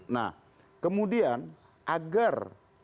nah kemudian agar tidak terjadi obrolan